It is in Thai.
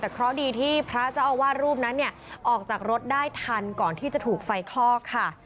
แต่เคราะห์ดีที่พระเจ้าอาวาสรูปนั้นเนี่ยออกจากรถได้ทันก่อนที่จะถูกไฟคลอกค่ะ